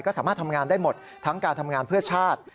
ก็สามารถทำงานได้หมดทั้งการทำงานเพื่อชาติ